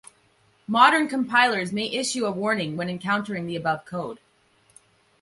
Modern compilers may issue a warning when encountering the above code.